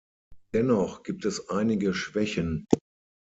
Dennoch gibt es einige Schwächen.